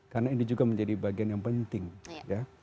karena ini juga menjadi bagian yang penting ya